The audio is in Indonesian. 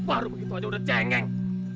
baru begitu aja udah cengeng